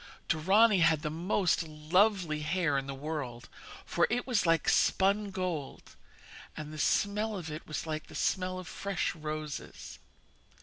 Dorani had the most lovely hair in the world, for it was like spun gold, and the smell of it was like the smell of fresh roses.